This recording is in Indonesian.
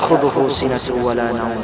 aku berhak untuk menjelaskan semuanya